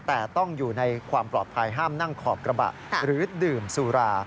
แต่ต้องอยู่ในความปลอดภัยห้ามนั่งขอบกระบะหรือดื่มสุรา